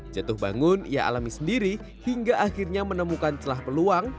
jatuh bangun ia alami sendiri hingga akhirnya menemukan celah peluang